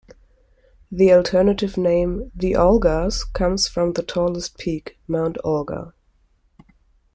The alternative name, "The Olgas", comes from the tallest peak, Mount Olga.